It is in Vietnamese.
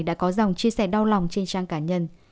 đã có dòng chia sẻ đau lòng trên trang cá nhân